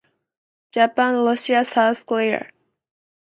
Japan, Russia, South Korea.